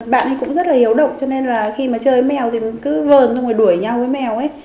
bạn ấy cũng rất là hiếu động cho nên là khi mà chơi mèo thì cứ vờn xong rồi đuổi nhau với mèo ấy